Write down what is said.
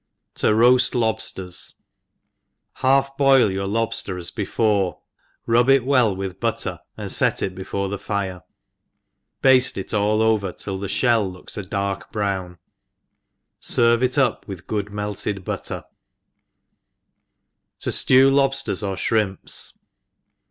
To roqft Lobsters. HALF boil your lobfter as before, rub it well with butter, and fet it before the fire, bafte it all over till the ftiell looks a dark brown, fcrve ^t up with good melted butten To ENGLISH HOUSE KEEPER. 4, ^iffiev) Lobsters ^r Shrimps.